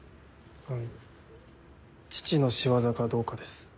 あ父の仕業かどうかです。